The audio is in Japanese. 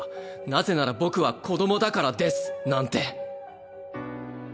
なぜなら僕は子どもだからです」なんて。